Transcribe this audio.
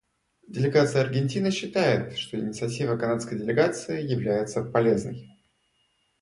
Делегация Аргентины считает, что инициатива канадской делегации является полезной.